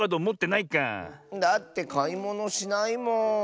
だってかいものしないもん。